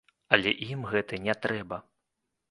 Але ім гэта не трэба.